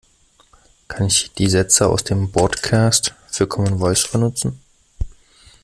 Kann ich die Sätze aus dem Bordcast für Commen Voice benutzen?